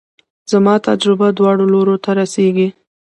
زما تجربه دواړو لورو ته رسېږي.